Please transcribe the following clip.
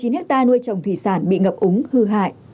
một mươi chín hecta nuôi trồng thủy sản bị ngập úng hư hại